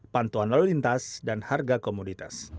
pantuan lalu lintas dan harga komoditas